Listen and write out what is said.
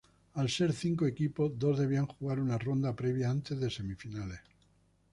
Al ser cinco equipos, dos debían jugar una ronda previa antes de semifinales.